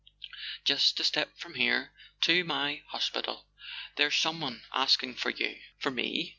"Just a step from here—to my hospital. There's some¬ one asking for you." "For me?